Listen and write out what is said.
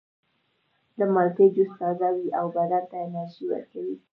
د مالټې جوس تازه وي او بدن ته انرژي ورکوي.